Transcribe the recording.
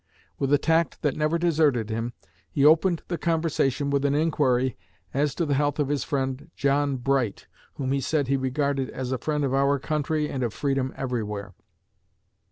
With a tact that never deserted him, he opened the conversation with an inquiry as to the health of his friend John Bright, whom he said he regarded as a friend of our country and of freedom everywhere.